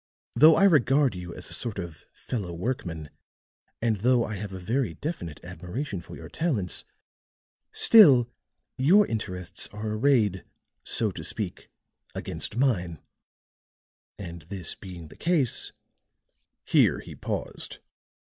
Though I regard you as a sort of fellow workman, and though I have a very definite admiration for your talents, still your interests are arrayed, so to speak, against mine; and this being the case " [Illustration: THE GLITTERING EYES LIFTED] Here he paused.